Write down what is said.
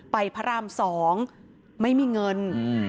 พระราม๒ไม่มีเงิน